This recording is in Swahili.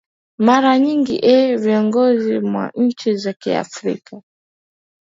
mara nyingi ee viongozi wa nchi za kiafrika